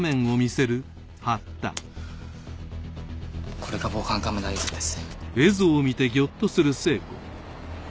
これが防犯カメラ映像です。